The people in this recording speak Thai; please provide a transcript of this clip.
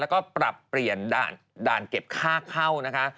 แล้วก็ปรับเปลี่ยนด่านเก็บค่าเข้านะคะ